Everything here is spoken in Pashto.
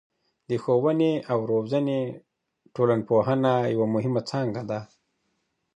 د ښووني او روزني ټولنپوهنه یوه مهمه څانګه ده.